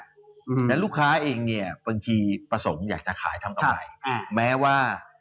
เหมือนลูกค้าเพราะประสมทีนี่อยากจะขายทำอะไร